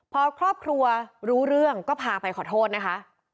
พอครอบครัวรู้เรื่องก็พาไปขอโทษนะคะ